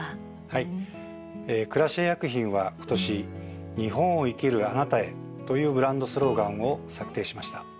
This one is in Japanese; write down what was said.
はいクラシエ薬品は今年「日本を生きるあなたへ。」というブランドスローガンを策定しました。